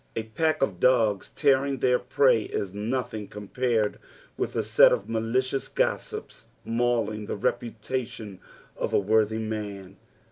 A pack of dogs tearing tlieir prey is nothing compared with a set of maliciouH gossips mauling the reputation of a worthy nan.